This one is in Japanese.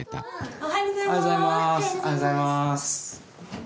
おはようございます。